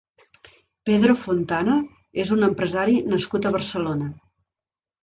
Pedro Fontana és un empresari nascut a Barcelona.